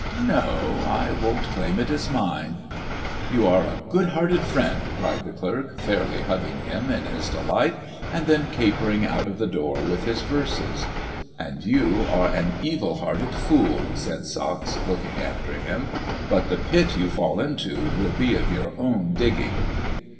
"No, I won't claim it as mine." "You are a good hearted friend!" cried the clerk fairly hugging him in his delight, and then capering out of the door with his verses. "And you are an evil hearted fool!" said Sachs, looking after him. "But the pit you fall into will be of your own digging."